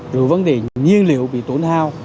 rồi vấn đề nhiên liệu bị tổn hau